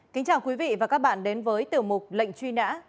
kính chào quý vị và các bạn đến với tiểu mục lệnh truy nã